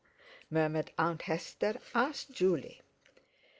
murmured Aunt Hester, "ask Juley!"